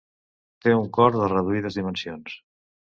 Té un cor de reduïdes dimensions.